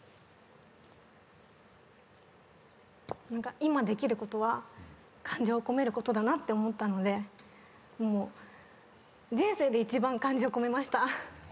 今できることは感情込めることだなって思ったので人生で一番感情込めました。